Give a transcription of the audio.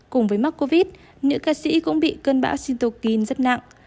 cùng với mắc covid những ca sĩ cũng bị cơn bão sintokin rất nặng